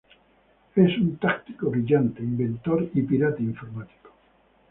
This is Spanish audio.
Es un táctico brillante, inventor y pirata informático.